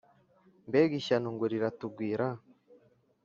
Mbega ishyano ngo riratugwira !